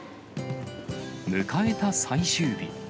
迎えた最終日。